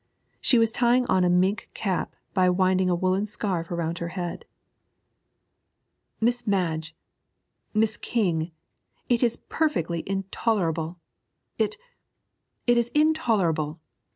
She was tying on a mink cap by winding a woollen scarf about her head. 'Miss Madge! Miss King! It is perfectly intolerable! It it is intolerable!'